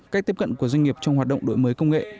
cách tiếp cận của doanh nghiệp trong hoạt động đổi mới công nghệ